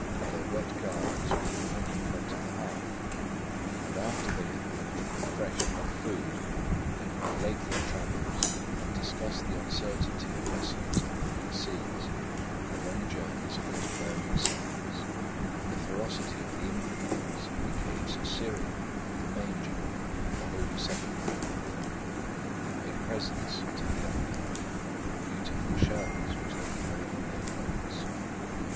Their wet garments would be hung in front of the hearth and after they had been refreshed by food they would relate their travels, and discuss the uncertainty of vessels on the high seas, their long journeys across burning sands, the ferocity of the infidels, the caves of Syria, the Manger and the Holy Sepulchre. They made presents to the young heir of beautiful shells, which they carried in their cloaks.